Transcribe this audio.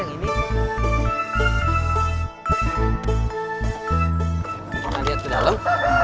kita lihat di dalam